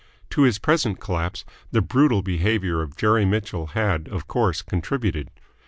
To his present collapse the brutal behaviour of Jerry Mitchell had, of course, contributed.